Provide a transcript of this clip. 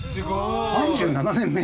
３７年目？